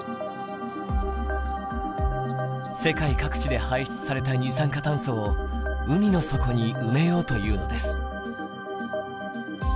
世界各地で排出された二酸化炭素を海の底に埋めようというのです。